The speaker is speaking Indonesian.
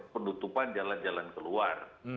penutupan jalan jalan keluar